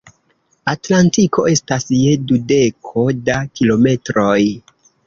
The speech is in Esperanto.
Atlantiko estas je dudeko da kilometroj.